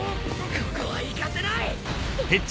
ここは行かせない！